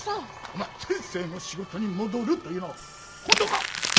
お前先生の仕事に戻るというのは本当か？